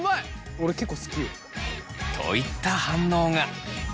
俺結構好きよ。といった反応が。